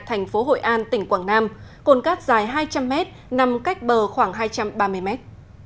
thành phố hội an tỉnh quảng nam cồn cát dài hai trăm linh mét nằm cách bờ khoảng hai trăm ba mươi mét